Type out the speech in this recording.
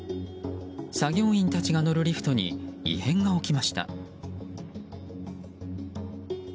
作業員たちが乗るリフトに異変が起きました。